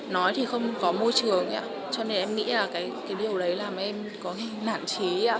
nói thì không có môi trường cho nên em nghĩ điều đấy làm em có nản trí